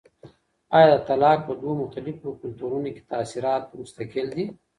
آیا د طلاق په دوو مختلفو کلتورونو کي تاثیرات مستقل دي؟